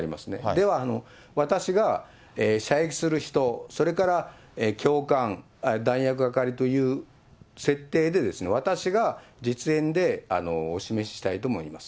では、私が射撃する人、それから教官、弾薬係という設定で、私が実演でお示ししたいと思います。